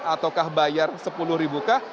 atau bayar sepuluh kah